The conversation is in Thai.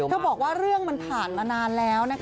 เธอบอกว่าเรื่องมันผ่านมานานแล้ว